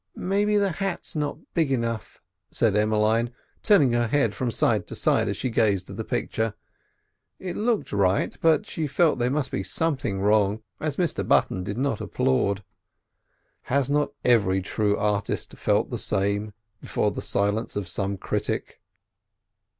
"Maybe the hat's not big enough," said Emmeline, turning her head from side to side as she gazed at the picture. It looked right, but she felt there must be something wrong, as Mr Button did not applaud. Has not every true artist felt the same before the silence of some critic?